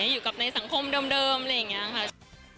อยู่กับในสังคมเดิมอะไรอย่างนี้ค่ะ